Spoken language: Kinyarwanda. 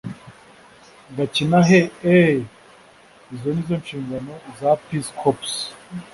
gakinahe eeeh! izo ni zo nshingano za peace corps